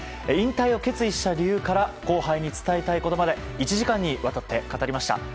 引退を決意した理由から後輩に伝えたいことまで１時間にわたって語りました。